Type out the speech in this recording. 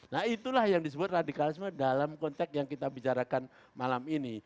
nah itulah yang disebut radikalisme dalam konteks yang kita bicarakan malam ini